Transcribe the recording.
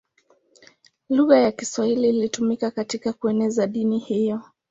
Lugha ya Kiswahili ilitumika katika kueneza dini hiyo.